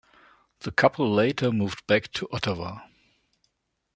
The couple later moved back to Ottawa.